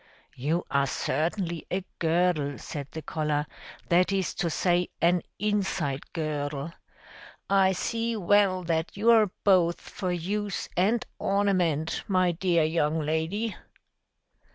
"You are certainly a girdle," said the collar; "that is to say an inside girdle. I see well that you are both for use and ornament, my dear young lady."